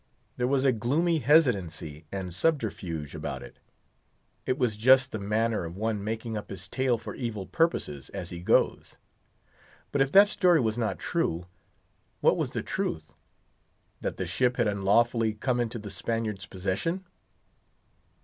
There was a gloomy hesitancy and subterfuge about it. It was just the manner of one making up his tale for evil purposes, as he goes. But if that story was not true, what was the truth? That the ship had unlawfully come into the Spaniard's possession?